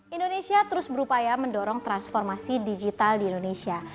indonesia terus berupaya mendorong transformasi digital di indonesia